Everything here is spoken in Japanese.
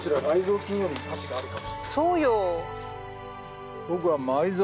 そうよ。